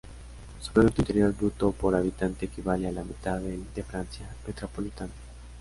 Su Producto Interior Bruto por habitante equivale a la mitad del de Francia metropolitana.